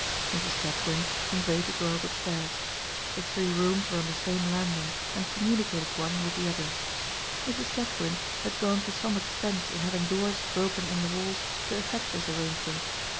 Mrs. Chetwynd conveyed the girls upstairs. The three rooms were on the same landing, and communicated one with the other. Mrs. Chetwynd had gone to some expense in having doors broken in the walls to effect this arrangement.